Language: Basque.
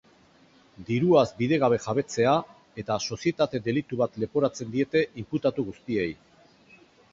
Diruaz bidegabe jabetzea eta sozietate delitu bat leporatzen diete inputatu guztiei.